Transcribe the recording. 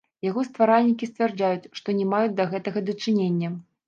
Яго стваральнікі сцвярджаюць, што не маюць да гэтага дачынення.